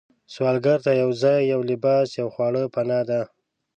سوالګر ته یو ځای، یو لباس، یو خواړه پناه ده